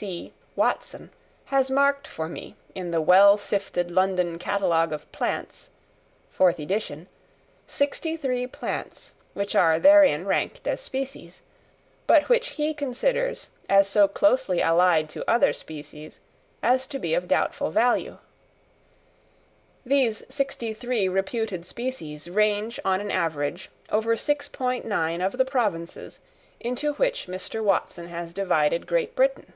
C. Watson has marked for me in the well sifted London catalogue of Plants (4th edition) sixty three plants which are therein ranked as species, but which he considers as so closely allied to other species as to be of doubtful value: these sixty three reputed species range on an average over 6.9 of the provinces into which Mr. Watson has divided Great Britain.